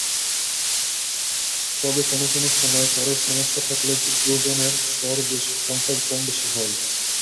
তবে কোনো কোনো সময় কারোর সমস্যা থাকলে দুজনের শোর সংখ্যা কমবেশি হয়।